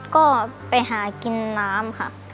ก็ไปหากินน้ำค่ะ